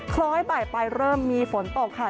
คล้อยบ่ายไปเริ่มมีฝนตกค่ะ